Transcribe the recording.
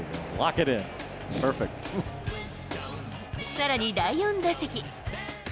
さらに第４打席。